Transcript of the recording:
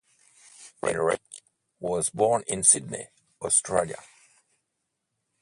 Elrich was born in Sydney, Australia.